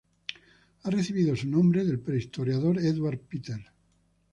Ha recibido su nombre del prehistoriador Eduard Peters.